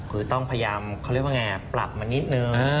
คือต้องพยายามเขาเรียกว่าไงปรับมานิดนึง